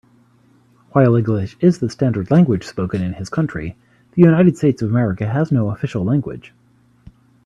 While English is the standard language spoken in his country, the United States of America has no official language.